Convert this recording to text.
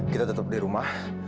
kita tetap di rumah